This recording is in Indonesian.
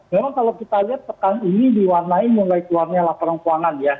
memang kalau kita lihat pekan ini diwarnai mulai keluarnya laporan keuangan ya